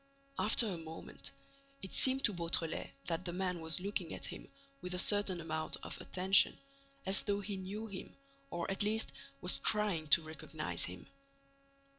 After a moment, it seemed to Beautrelet that the man was looking at him with a certain amount of attention, as though he knew him or, at least, was trying to recognize him.